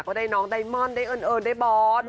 ก็ได้น้องไดมอนได้เอิญได้บอส